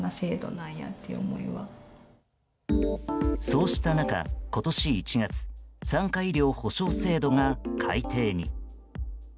そうした中、今年１月産科医療補償制度が改定に。